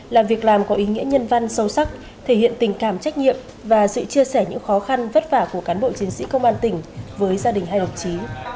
là việc làm có ý nghĩa nhân văn sâu sắc thể hiện tình cảm trách nhiệm và sự chia sẻ những khó khăn vất vả của cán bộ chiến sĩ công an tỉnh với gia đình hai đồng chí